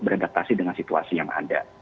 beradaptasi dengan situasi yang ada